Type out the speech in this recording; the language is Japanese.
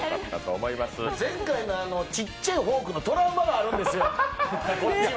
前回のちゃっちゃいフォークのトラウマがあるんですよ、こっちは。